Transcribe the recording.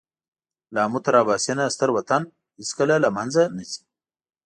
له آمو تر اباسینه ستر وطن هېڅکله له مېنځه نه ځي.